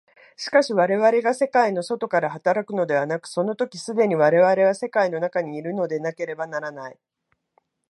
しかし我々が世界の外から働くのではなく、その時既に我々は世界の中にいるのでなければならない。